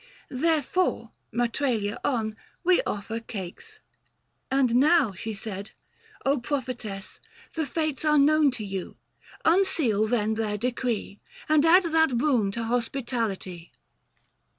Therefore, Matralia on, we offer Cates. " And now," she said, " prophetess, the Fates 640 Are known to you ; unseal then their decree, And add that boon to hospitality."